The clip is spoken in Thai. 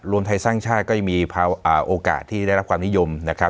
รวมไทยสร้างชาติก็ยังมีโอกาสที่ได้รับความนิยมนะครับ